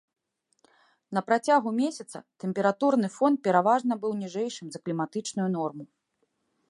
На працягу месяца тэмпературны фон пераважна быў ніжэйшым за кліматычную норму.